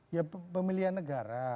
ya pemilihan negara